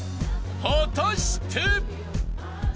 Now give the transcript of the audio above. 果たして？］